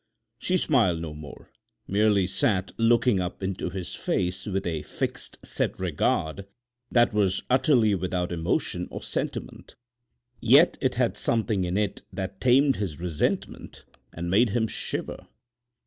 She smiled no more—merely sat looking up into his face with a fixed, set regard that was utterly without emotion or sentiment. Yet it had something in it that tamed his resentment and made him shiver.